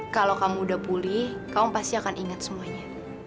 kalau kamu udah pulih kamu pasti akan ingat semuanya